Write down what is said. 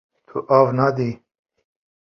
Tu av nadî.